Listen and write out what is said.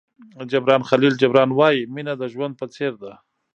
جبران خلیل جبران وایي مینه د ژوند په څېر ده.